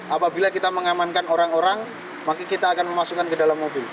apabila kita mengamankan orang orang maka kita akan memasukkan ke dalam mobil